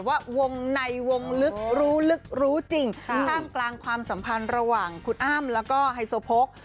ว่าวงในวงลึกรู้ลึกรู้จริงท่ามกลางความสัมพันธ์ระหว่างคุณอ้ำแล้วก็ไฮโซโพก